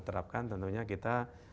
terapkan tentunya kita